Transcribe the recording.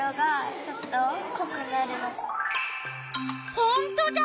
ほんとだ！